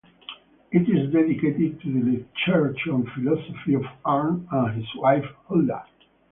It is dedicated to the literature and philosophy of Arne and his wife, Hulda.